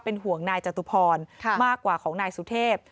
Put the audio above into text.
ห่วงนายจตุพรมากกว่าของนายสุเทพ